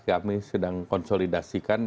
kami sedang konsolidasikan